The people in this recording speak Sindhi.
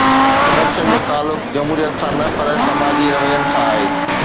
ڪرپشن جو تعلق جمهوريت سان نه پر سماجي روين سان آهي.